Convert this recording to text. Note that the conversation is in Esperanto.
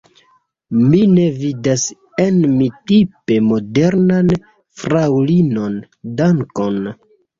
Mi ne vidas en mi tipe modernan fraŭlinon; dankon!